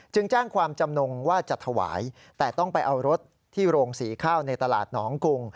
แจ้งความจำนงว่าจะถวายแต่ต้องไปเอารถที่โรงสีข้าวในตลาดหนองกุง